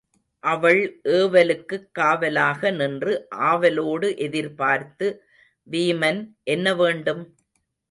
அவள் ஏவலுக்குக் காவலாக நின்று ஆவலோடு எதிர்பார்த்து வீமன், என்ன வேண்டும்?